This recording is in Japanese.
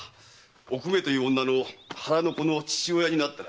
おくめという女の腹の子の父親になったらしい。